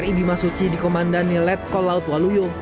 kri bimasuci di komandan nielet kol laut waluyong